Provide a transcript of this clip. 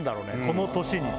この年に。